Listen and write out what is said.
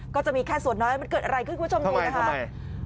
ก็จะมีแค่ส่วนน้อยมันเกิดอะไรขึ้นคุณผู้ชมดูนะคะ